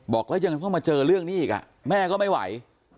บอกแล้วยังต้องมาเจอเรื่องนี้อีกแม่ก็ไม่ไหว